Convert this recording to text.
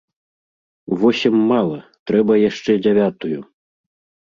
Восем мала, трэба яшчэ дзявятую!